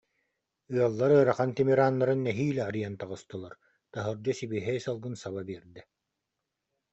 Ыаллар ыарахан тимир ааннарын нэһиилэ арыйан таҕыстылар, таһырдьа сибиэһэй салгын саба биэрдэ